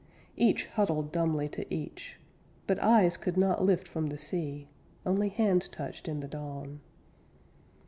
Each huddled dumbly to each; But eyes could not lift from the sea, Only hands touched in the dawn.